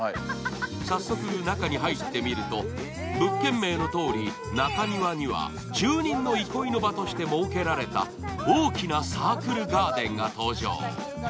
早速、中に入ってみると物件名のとおり中庭には住人の憩いの場として設けられた大きなサークルガーデンが登場。